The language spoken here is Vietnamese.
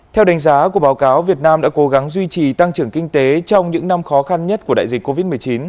theo đánh giá của báo cáo việt nam đã cố gắng duy trì tăng trưởng kinh tế trong những năm khó khăn nhất của đại dịch covid một mươi chín